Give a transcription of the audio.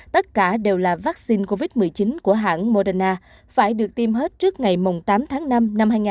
tất cả đều là vaccine covid một mươi chín của hãng moderna phải được tiêm hết trước ngày tám tháng năm năm hai nghìn hai mươi